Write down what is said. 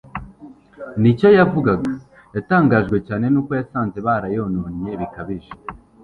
n'icyo yavugaga, yatangajwe cyane n'uko yasanze barayononnye bikabije.